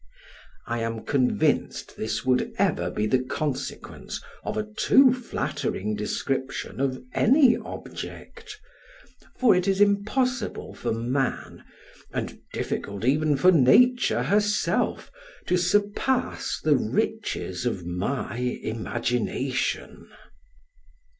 I am convinced this would ever be the consequence of a too flattering description of any object; for it is impossible for man, and difficult even for nature herself, to surpass the riches of my imagination.